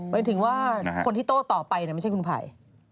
หมายถึงว่าคนที่โต้ต่อไปไม่ใช่คุณไผ่